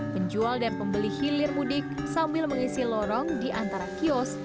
penjual dan pembeli hilir mudik sambil mengisi lorong di antara kios